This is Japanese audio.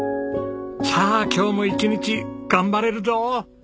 さあ今日も一日頑張れるぞ！